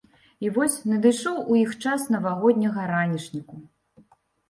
І вось надышоў у іх час навагодняга ранішніку.